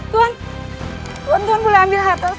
kalau snazure itu bisa indah atau t down